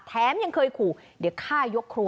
แถมยังเคยขู่เดี๋ยวฆ่ายกครัว